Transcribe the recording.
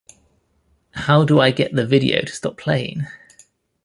How do I get the video to stop playing?